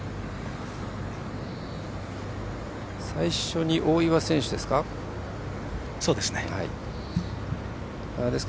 最初に大岩選手ですか？